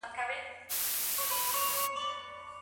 که په مختلفو محيطونو کي روزل سوي وي.